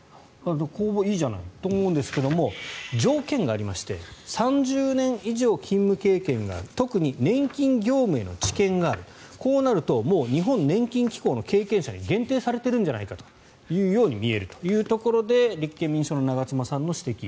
公募、いいじゃないと思うんですが、条件がありまして３０年以上勤務経験がある特に年金業務への知見があるこうなるともう日本年金機構の経験者に限定されてるんじゃないかと見えるというところで立憲民主党の長妻さんの指摘。